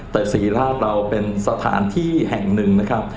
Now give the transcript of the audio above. แต่ศรีราชเราเป็นสถานที่แห่งหนึ่งนะครับ